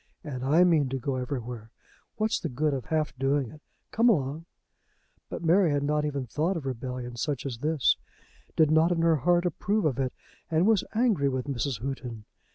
"And I mean to go everywhere. What's the good of half doing it? Come along." But Mary had not even thought of rebellion such as this did not in her heart approve of it, and was angry with Mrs. Houghton.